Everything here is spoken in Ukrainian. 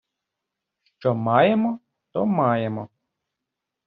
Що маємо, то маємо.